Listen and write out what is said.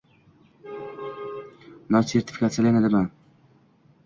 nostrifikatsiyalanadimi?